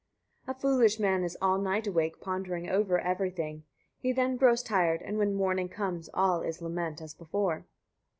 23. A foolish man is all night awake, pondering over everything; he then grows tired; and when morning comes, all is lament as before.